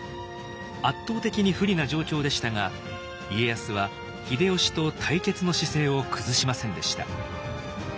圧倒的に不利な状況でしたが家康は秀吉と対決の姿勢を崩しませんでした。